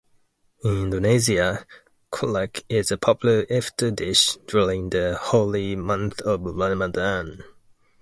In Indonesia, kolak is a popular iftar dish during the holy month of Ramadan.